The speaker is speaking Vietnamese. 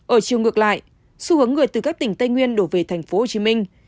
ở chiều ngược lại xu hướng người từ các tỉnh tây nguyên đổ về thành phố hồ chí minh